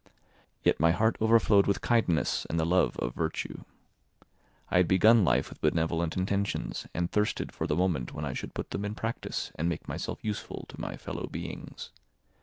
Yet my heart overflowed with kindness and the love of virtue. I had begun life with benevolent intentions and thirsted for the moment when I should put them in practice and make myself useful to my fellow beings.